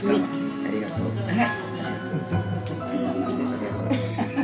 ありがとうございます。